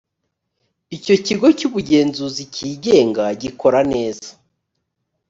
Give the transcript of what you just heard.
icyo kigo cy ubugenzuzi kigenga gikora neza